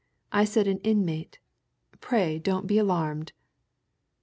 "I said an inmate. Pray don't be alarmed.